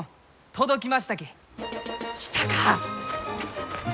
来たか！